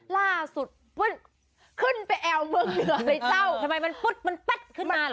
ล่าสุดขึ้นไปแอวเมืองเหนือเลยเจ้าทำไมมันปุ๊ดมันแป๊ดขึ้นมาเหรอ